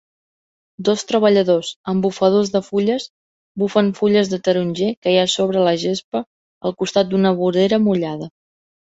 Dos treballadors amb bufadors de fulles bufen fulles de taronger que hi ha sobre la gespa al costat d'una vorera mullada